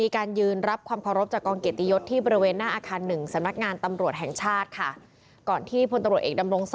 และต่างตั้งแถวเข้าต่อกลับให้ตลอดทาง